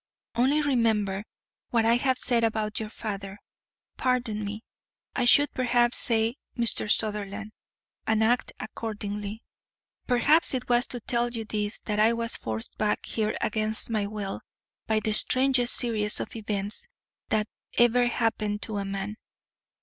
Only remember what I have said about your father pardon me, I should perhaps say Mr. Sutherland and act accordingly. Perhaps it was to tell you this that I was forced back here against my will by the strangest series of events that ever happened to a man.